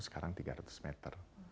sekarang tiga ratus meter